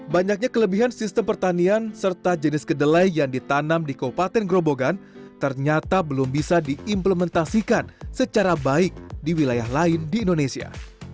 banyaknya kelebihan sistem pertanian serta jenis kedelai yang ditanam di kabupaten grobogan ternyata belum bisa diimplementasikan secara baik di wilayah lain di indonesia